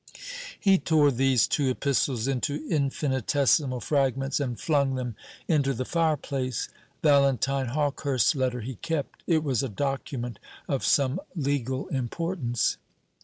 He tore these two epistles into infinitesimal fragments, and flung them into the fireplace. Valentine Hawkehurst's letter he kept. It was a document of some legal importance.